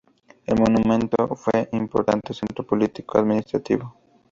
El monumento fue un importante centro político administrativo.